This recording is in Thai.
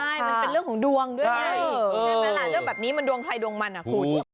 มันเป็นเรื่องของดวงด้วยนะใช่เรื่องแบบนี้มันดวงใครดวงมันอ่ะ